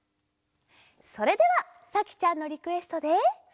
それではさきちゃんのリクエストで。